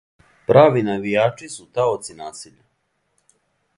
Прави навијачи су таоци насиља...